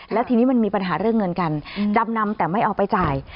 แล้วทีนี้มันมีปัญหาเรื่องเงินกันจำนำแต่ไม่เอาไปจ่าย